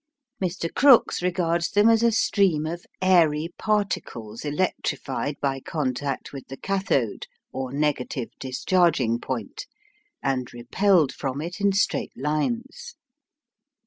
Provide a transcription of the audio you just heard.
Mr Crookes regards them as a stream of airy particles electrified by contact with the cathode or negative discharging point, and repelled from it in straight lines.